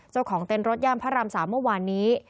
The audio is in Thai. เจ้าของเต้นรถย่านพระราม๓เมื่อวานนี้